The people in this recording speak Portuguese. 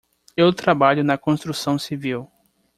Eu trabalho na construção civil.